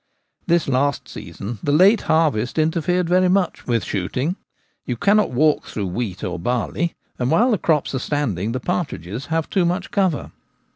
This last season the late harvest interfered very much with shooting ; you cannot walk through wheat or barley, and while the crops are standing the partridges have too much cover.